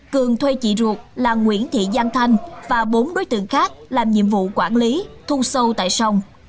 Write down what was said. cường thuê chị ruột là nguyễn thị giang thanh và bốn đối tượng khác làm nhiệm vụ quản lý thu sâu tại sông